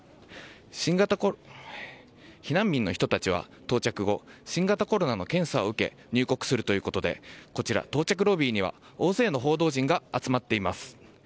避難民の人たちは、到着後、新型コロナの検査を受け、入国するということで、こちら、到着ロビーには大勢の報道陣が集まっています。